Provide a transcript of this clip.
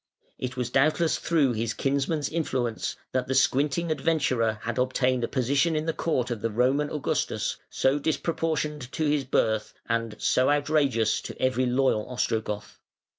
It was doubtless through his kinsman's influence that the squinting adventurer had obtained a position in the court of the Roman Augustus so disproportioned to his birth, and so outrageous to every loyal Ostrogoth.